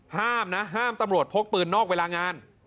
ห้ามนะห้ามตำรวจพกปืนนอกเวลางาน